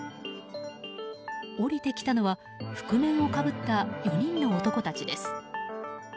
降りてきたのは覆面をかぶった４人の男たちです。